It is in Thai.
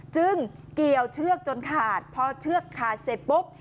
จึงเกี่ยวเชือกจนขาดพอเชือกขาดเสร็จปุ๊บ